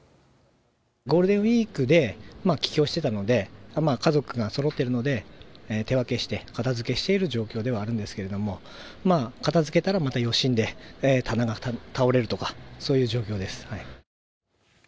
ゴールデンウィークで帰郷してたので、家族がそろっているので、手分けして片づけしている状況ではあるんですけれども、片づけたらまた余震で棚が倒れるとか、そういう状況です。